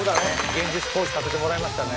現実逃避させてもらいましたね